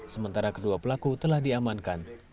sementara kedua pelaku telah diamankan